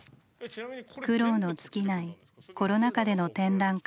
苦労の尽きないコロナ禍での展覧会。